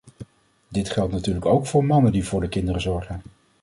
Dit geldt natuurlijk ook voor mannen die voor de kinderen zorgen.